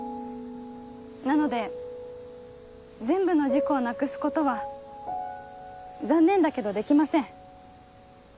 なので全部の事故をなくすことは残念だけどできません。